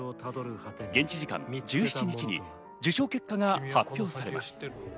現地時間１７日に受賞結果が発表されます。